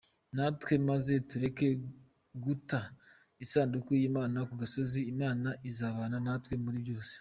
Natwe muze tureke guta isanduku y’Imana ku gasozi, Imana izabana natwe muri byose.